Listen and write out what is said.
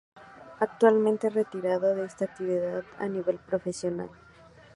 Actualmente retirado de esta actividad a nivel profesional.